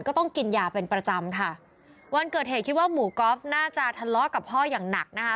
ก็ต้องกินยาเป็นประจำค่ะวันเกิดเหตุคิดว่าหมู่กอล์ฟน่าจะทะเลาะกับพ่ออย่างหนักนะคะ